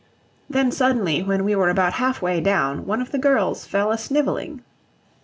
Then suddenly, when we were about half way down, one of the girls fell a snivelling.